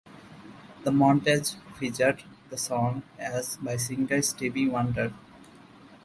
The montage featured the song "As" by singer Stevie Wonder.